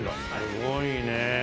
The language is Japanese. すごいね。